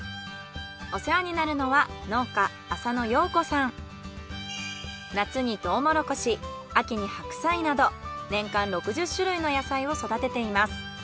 お世話になるのは農家夏にトウモロコシ秋に白菜など年間６０種類の野菜を育てています。